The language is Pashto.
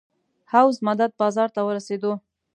حوض مدد بازار ته ورسېدو.